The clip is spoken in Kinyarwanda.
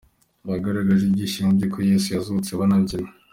Bagaragaje ibyishimo by’uko Yezu yazutse banabyina.